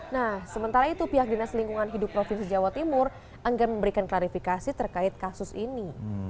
nah sementara itu pihak dinas lingkungan hidup provinsi jawa timur enggan memberikan klarifikasi terkait kasus ini